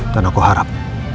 dan aku harap